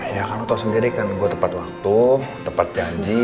ya karena toh sendiri kan gue tepat waktu tepat janji